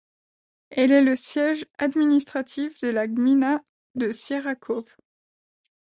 Elle est le siège administratif de la gmina de Sieraków.